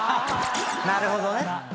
なるほどね。